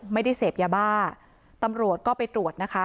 ไม่ได้เสพยาบ้าตำรวจก็ไปตรวจนะคะ